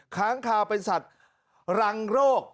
ค้างคาวเป็นสัตว์รังโรค